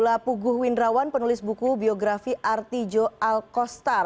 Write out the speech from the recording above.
ada puguh windrawan penulis buku biografi artijo alkostar